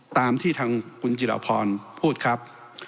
ตามที่ทางคุณจิรพรพูดครับ